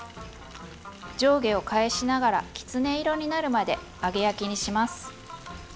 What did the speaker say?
上下を返しながらきつね色になるまで揚げ焼きにします。